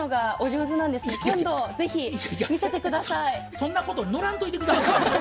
そんなことのらんといて下さい。